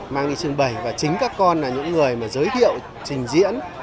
mang đi trưng bày và chính các con là những người mà giới thiệu trình diễn